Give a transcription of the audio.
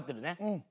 うん。